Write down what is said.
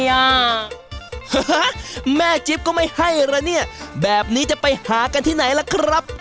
แม่จิ๊บก็ไม่ให้ละเนี่ยแบบนี้จะไปหากันที่ไหนล่ะครับ